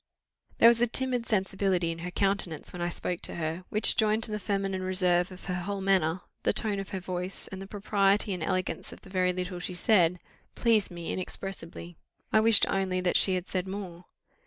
There was a timid sensibility in her countenance when I spoke to her, which joined to the feminine reserve of her whole manner, the tone of her voice, and the propriety and elegance of the very little she said, pleased me inexpressibly. I wished only that she had said more.